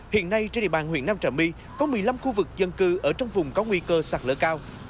hiện nay trên địa bàn huyện nam trà my có một mươi năm khu vực dân cư ở trong vùng có nguy cơ sạt lở cao